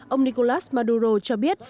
ông nicolas maduro cho biết